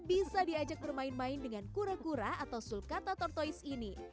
bisa diajak bermain main dengan kura kura atau sulkata tortois ini